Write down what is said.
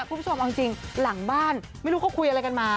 คุณผู้ชมเอาจริงหลังบ้านไม่รู้เขาคุยอะไรกันมา